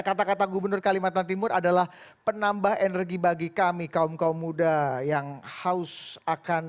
kata kata gubernur kalimantan timur adalah penambah energi bagi kami kaum kaum muda yang haus akan